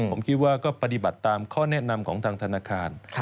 ผมคิดว่าก็ปฏิบัติตามข้อแนะนำของทางธนาคาร